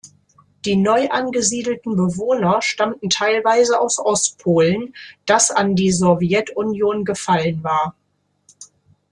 Die neu angesiedelten Bewohner stammten teilweise aus Ostpolen, das an die Sowjetunion gefallen war.